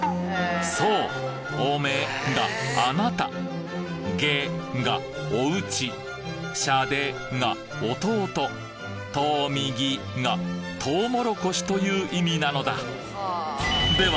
そう「おめ」があなた「げ」がお家「しゃで」が弟「とーみぎ」がとうもろこしという意味なのだでは